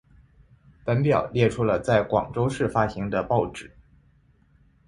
本表列出了在广州市发行的报纸。